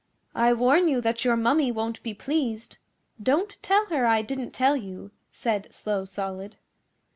'I warn you that your Mummy won't be pleased. Don't tell her I didn't tell you,' said Slow Solid.